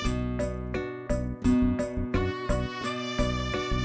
saya sudah berjalan